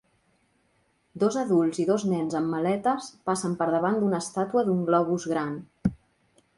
Dos adults i dos nens amb maletes passen per davant d"una estàtua d"un globus gran.